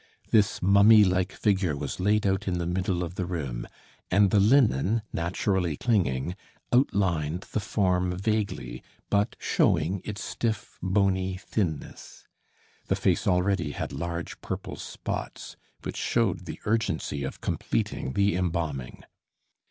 This mummy like figure was laid out in the middle of the room, and the linen, naturally clinging, outlined the form vaguely, but showing its stiff, bony thinness. The face already had large purple spots, which showed the urgency of completing the embalming.